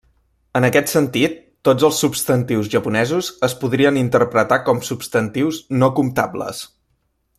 En aquest sentit, tots els substantius japonesos es podrien interpretar com substantius no comptables.